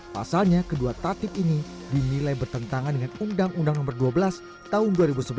pasalnya kedua tatip ini dinilai bertentangan dengan undang undang nomor dua belas tahun dua ribu sebelas